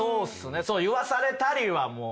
言わされたりはもう。